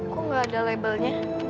kok gak ada labelnya